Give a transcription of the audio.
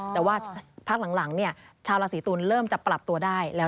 แต่ว่าพักหลังชาวราศีตุลเริ่มจะปรับตัวได้แล้ว